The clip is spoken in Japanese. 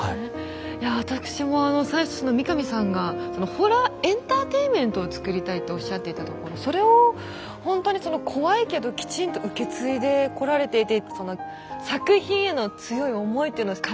いやわたくしもあの最初三上さんが「ホラーエンターテインメントを作りたい」とおっしゃっていたところそれをほんとに怖いけどきちんと受け継いでこられていて作品への強い思いっていうのをかなり感じました。